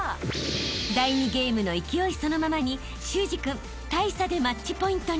第２ゲームの勢いそのままに修志君大差で］